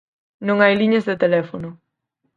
Non hai liñas de teléfono.